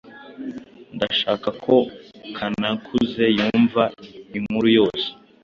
Ndashaka ko Kanakuze yumva inkuru yose.